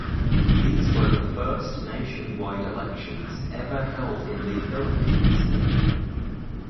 These were the first nationwide elections ever held in the Philippines.